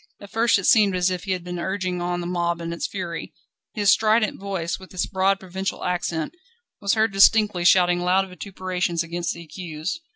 At first it seemed as if he had been urging on the mob in its fury. His strident voice, with its broad provincial accent, was heard distinctly shouting loud vituperations against the accused.